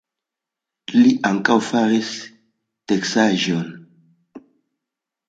Li ankaŭ faris teksaĵojn.